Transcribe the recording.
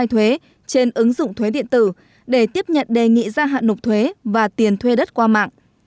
và thực hiện nâng cấp ứng dụng khai thuế trên ứng dụng thuế điện tử để tiếp nhận đề nghị gia hạn nộp thuế và tiền thuê đất qua mạng